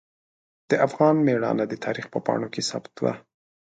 د افغان میړانه د تاریخ په پاڼو کې ثبت ده.